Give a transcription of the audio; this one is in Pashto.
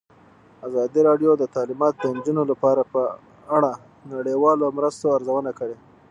ازادي راډیو د تعلیمات د نجونو لپاره په اړه د نړیوالو مرستو ارزونه کړې.